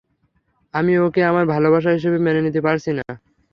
আমি ওকে আমার ভালোবাসা হিসেবে মেনে নিতে পারছি না।